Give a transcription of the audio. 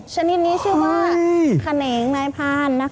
ชนิดนี้ชื่อว่าแขนงนายพาน